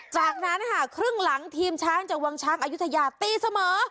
จากนั้นค่ะครึ่งหลังทีมช้างจากวังช้างอายุทยาตีเสมอ